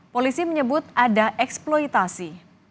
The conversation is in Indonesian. polisi menyebut ada eksploitasi